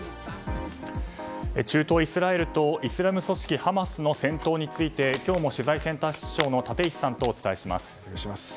中東イスラエルとイスラム組織ハマスの戦闘について今日も取材センター室長の立石さんとお伝えします。